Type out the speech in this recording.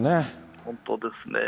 本当ですね。